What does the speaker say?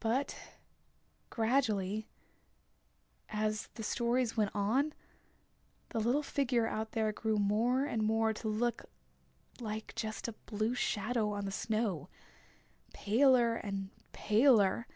But gradually, as the stories went on the little figure out there grew more and more to look like just a blue shadow on the snow, paler and paler.